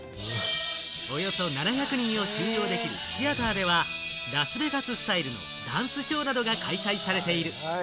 およそ７００人を収容できるシアターでは、ラスベガススタイルのダンスショーなどが開催されている。